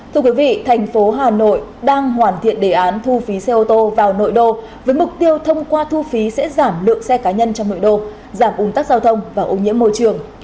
thưa quý vị thành phố hà nội đang hoàn thiện đề án thu phí xe ô tô vào nội đô với mục tiêu thông qua thu phí sẽ giảm lượng xe cá nhân trong nội đô giảm ủn tắc giao thông và ô nhiễm môi trường